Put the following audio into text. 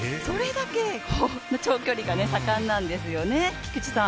それだけ、長距離が盛んなんですよね。